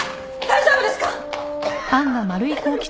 大丈夫ですか？